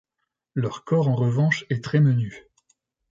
Leur corps en revanche est très menu.